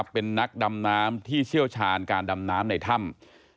เป็นนักดำน้ำที่เชี่ยวชาญการดำน้ำในถ้ำ